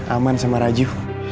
aman sama raju